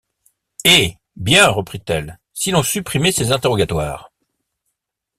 Eh ! bien, reprit-elle, si l’on supprimait ces interrogatoires ?…